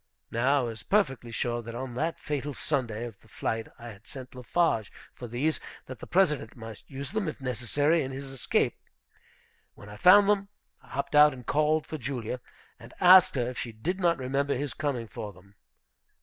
Now I was perfectly sure that on that fatal Sunday of the flight I had sent Lafarge for these, that the President might use them, if necessary, in his escape. When I found them, I hopped out and called for Julia, and asked her if she did not remember his coming for them.